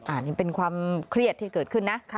อันนี้เป็นความเครียดที่เกิดขึ้นนะ